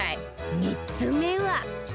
３つ目は